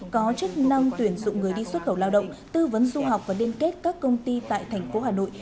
có chức năng tuyển dụng người đi xuất khẩu lao động tư vấn du học và liên kết các công ty tại thành phố hà nội